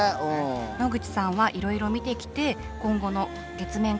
野口さんはいろいろ見てきて今後の月面開発